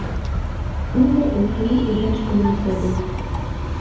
Ынде уржам ӱдаш гына кодын.